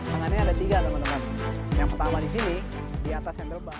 tangan ini ada tiga teman teman yang pertama di sini di atas handlebar